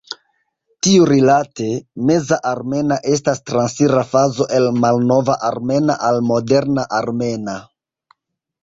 Tiurilate, Meza armena estas transira fazo el malnova armena al moderna armena.